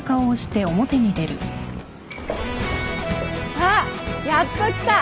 あっやっと来た。